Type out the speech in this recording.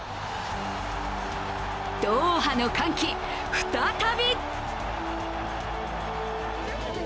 ドーハの歓喜、再び。